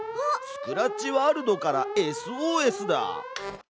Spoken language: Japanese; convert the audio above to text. スクラッチワールドからＳＯＳだ！